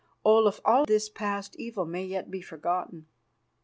Olaf, all this evil past may yet be forgotten.